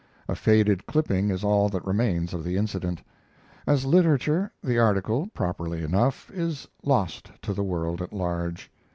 A faded clipping is all that remains of the incident. As literature the article, properly enough, is lost to the world at large.